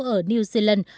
ở new zealand